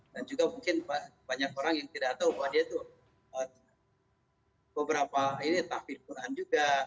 juga mungkin banyak orang yang tidak tahu bahwa dia itu beberapa ini takfir quran juga